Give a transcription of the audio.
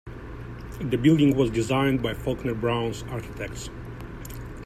The building was designed by FaulknerBrowns Architects.